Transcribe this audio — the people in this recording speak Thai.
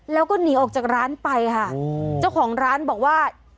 แล้วก็หนีออกจากร้านไปค่ะเจ้าของร้านบอกว่า